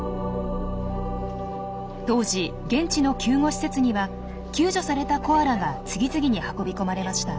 当時現地の救護施設には救助されたコアラが次々に運び込まれました。